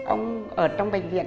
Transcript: ông ở trong bệnh viện